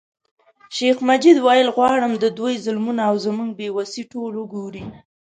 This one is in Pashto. شیخ مجید ویل غواړم د دوی ظلمونه او زموږ بې وسي ټول وګوري.